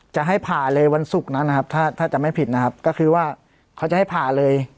จะให้ผ่าเลยวันศุกร์นั้นนะครับถ้าถ้าจะไม่ผิดนะครับก็คือว่าเขาจะให้ผ่าเลย